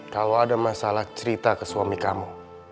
kalau ada masalah cerita ke suami kamu